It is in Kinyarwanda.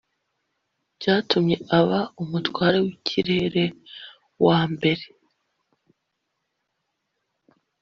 byatumye aba “umutware w’ikirere” wa mbere.